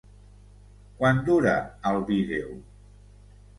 Quant dura el vídeo?